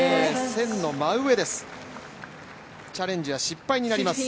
線の真上です、チャレンジは失敗になります。